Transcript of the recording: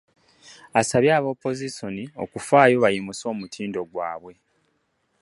Asabye aba opoziisoni okufaayo bayimuse omutindo gwabwe.